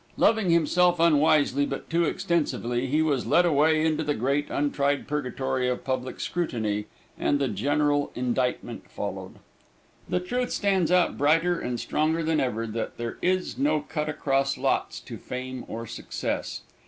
Loving himself unwisely but too extensively, he was led away into the great, untried purgatory of public scrutiny, and the general indictment followed. The truth stands out brighter and stronger than ever that there is no cut across lots to fame or success.